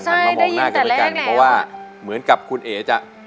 ไหล่ได้ยินแต่แรกเหมือนคุณเอ๋จะ